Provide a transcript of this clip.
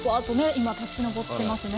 今立ち上ってますね。